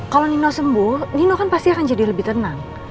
kalau nino sembuh nino kan pasti akan jadi lebih tenang